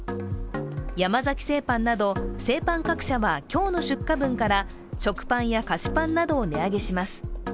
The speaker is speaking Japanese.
山崎製パンなど製パン各社は今日の出荷分から食パンや菓子パンなどを値上げします。